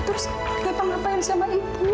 terus bapak ngapain sama ibu